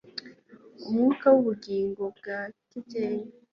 Umwuka wubugingo bwa kibyeyi